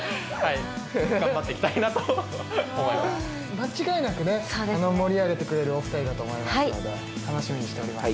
間違いなくね盛り上げてくれるお二人だと思いますので楽しみにしております。